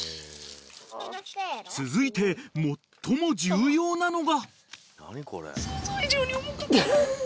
［続いて最も重要なのが］